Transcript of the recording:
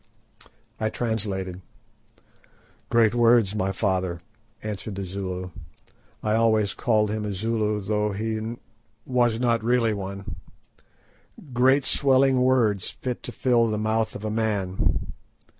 I translated. "Great words, my father," answered the Zulu—I always called him a Zulu, though he was not really one—"great swelling words fit to fill the mouth of a man.